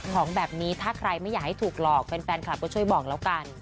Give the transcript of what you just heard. ของแบบนี้ถ้าใครไม่อยากให้ถูกหลอกแฟนคลับก็ช่วยบอกแล้วกัน